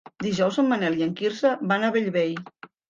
Dijous en Manel i en Quirze van a Bellvei.